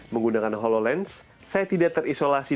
menggunakan hololens saya tidak terisolasi